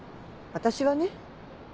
私はね